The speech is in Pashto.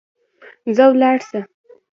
ځه ولاړ سه.